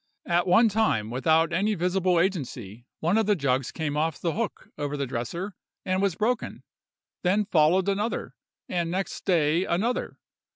At one time, without any visible agency, one of the jugs came off the hook over the dresser, and was broken; then followed another, and next day another.